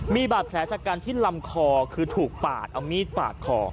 มีบาดแผลชะกันที่ลำคอคือถูกปาดเอามีดปาดคอ